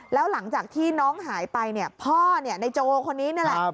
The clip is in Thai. แล้วหลังจากที่น้องหายไปเนี่ยพ่อในโจคนนี้นี่แหละ